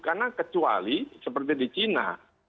karena kecuali seperti di sini